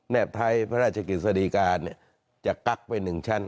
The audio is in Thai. แนบท้ายพระราชกิจสวัสดีการณ์จะก๊ักไป๑ชั้น